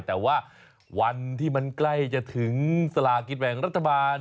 แต่ว่าวันที่มันใกล้จะถึงสลากินแบ่งรัฐบาล